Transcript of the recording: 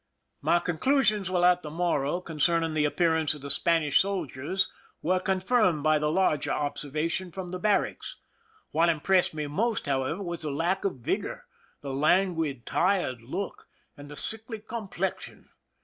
My conclusions while at the Morro concerning the appearance of the Spanish soldiers were con firmed by the larger observation from the barracks. What impressed me most, however, was the lack of vigor, the languid, tired look, and the sickly com plexion.